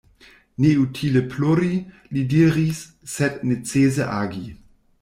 Neutile plori, li diris, sed necese agi.